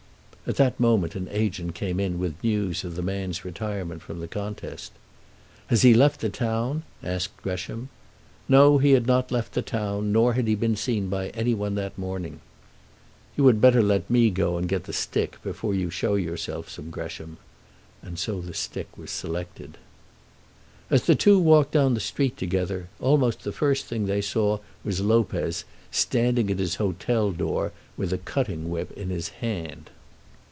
At that moment an agent came in with news of the man's retirement from the contest. "Has he left the town?" asked Gresham. No; he had not left the town, nor had he been seen by any one that morning. "You had better let me go out and get the stick, before you show yourself," said Gresham. And so the stick was selected. As the two walked down the street together, almost the first thing they saw was Lopez standing at his hotel door with a cutting whip in his hand.